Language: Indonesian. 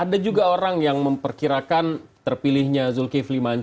ada juga orang yang memperkirakan terpilihnya zulkifli manca ini semata mata politis